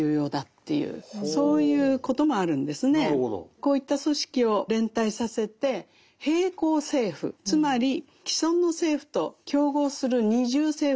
こういった組織を連帯させて並行政府つまり既存の政府と競合する二重政府のようなものですね